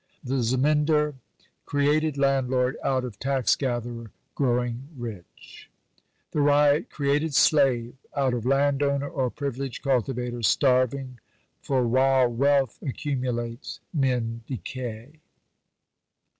THE ZEMINDAR: Created Landlord out of Tax Gatherer. Growing rich. THE RYOT: Created Slave out of Landowner or Privileged Cultivator. Starving. For while "wealth accumulates, men decay."